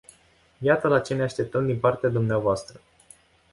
Iată la ce ne așteptăm din partea dvs.